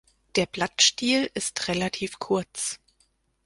Der Blattstiel ist relativ kurz.